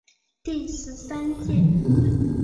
第十三届